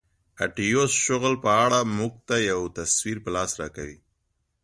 اتیوس شغل په اړه موږ ته یو تصویر په لاس راکوي.